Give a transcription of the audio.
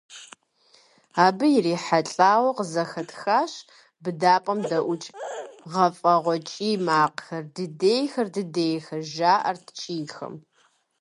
Абы ирихьэлӀэуи къызэхэтхащ быдапӀэм дэӀукӀ гуфӀэгъуэ кӀий макъхэр, «дыдейхэр, дыдейхэр», жаӀэрт кӀийхэм.